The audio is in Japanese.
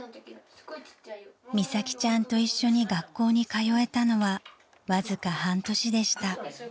［美咲ちゃんと一緒に学校に通えたのはわずか半年でした］